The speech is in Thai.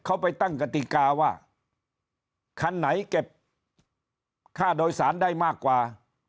เขาไปตั้งกติกาว่าคันไหนเก็บค่าโดยสารได้มากกว่า